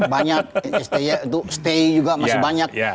banyak stay juga masih banyak